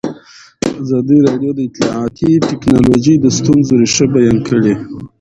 ازادي راډیو د اطلاعاتی تکنالوژي د ستونزو رېښه بیان کړې.